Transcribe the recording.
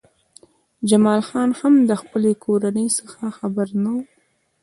جمال خان هم له خپلې کورنۍ څخه خبر نه و